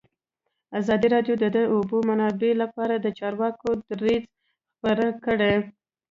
ازادي راډیو د د اوبو منابع لپاره د چارواکو دریځ خپور کړی.